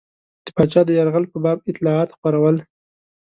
د پاچا د یرغل په باب اطلاعات خپرول.